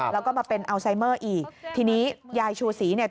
แล้วก็มาเป็นอัลไซเมอร์อีกทีนี้ยายชูศรีเนี่ย